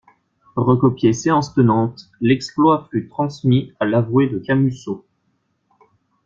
Recopié séance tenante, l'exploit fut transmis à l'avoué de Camusot.